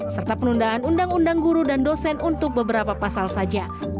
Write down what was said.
serta penundaan undang undang guru dan dosen untuk beberapa pasal saja